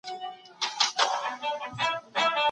زوم بايد بېخي بې پروا او بې هدفه نه وي.